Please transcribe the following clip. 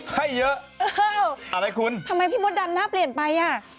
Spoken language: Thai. ให้เยอะอะไรคุณทำไมพี่มดดำหน้าเปลี่ยนไปอ่ะ